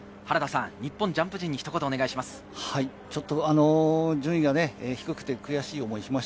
日本ジャンプ陣にひと言お願いします。